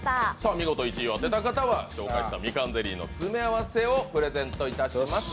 見事１位を当てた方は紹介したみかんゼリーの詰め合わせをプレゼントします。